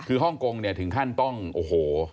คือฮ่องกงเนี่ยถึงขั้นต้องโอ้โห